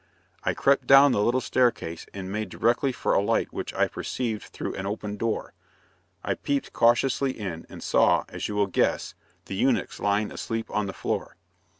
I crept down the little staircase, and made directly for a light which I perceived through an open door I peeped cautiously in, and saw, as you will guess, the eunuchs lying asleep on the floor.